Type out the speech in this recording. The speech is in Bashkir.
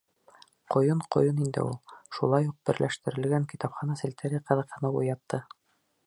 Ҡойон ҡойон инде ул. Шулай уҡ берләштерелгән китапхана селтәре ҡыҙыҡһыныу уятты.